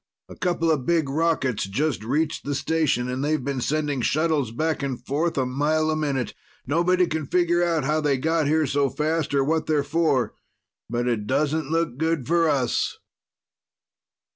A couple of big rockets just reached the station and they've been sending shuttles back and forth a mile a minute. Nobody can figure how they got here so fast or what they're for. But it doesn't look good for us!"